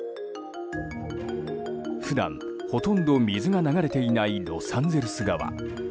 普段ほとんど水が流れていないロサンゼルス川。